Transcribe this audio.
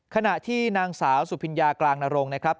ขณะที่นางสาวสุพิญญากลางนรงค์นะครับ